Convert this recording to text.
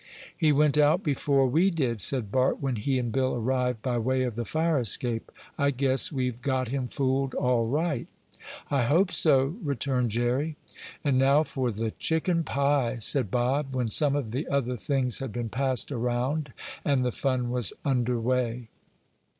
"He went out before we did," said Bart when he and Bill arrived by way of the fire escape. "I guess we've got him fooled all right." "I hope so," returned Jerry. "And now for the chicken pie!" said Bob, when some of the other things had been passed around and the fun was under way.